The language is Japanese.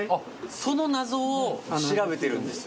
その謎を調べてるんですよ。